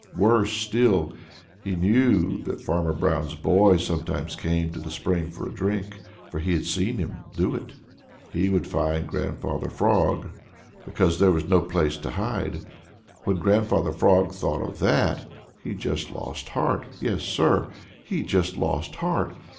Worse still, he knew that Farmer Brown's boy sometimes came to the spring for a drink, for he had seen him do it. That meant that the very next time he came, he would find Grandfather Frog, because there was no place to hide. When Grandfather Frog thought of that, he just lost heart. Yes, Sir, he just lost heart.